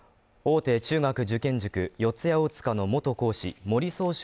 大手中学受験塾・四谷大塚の元講師森崇翔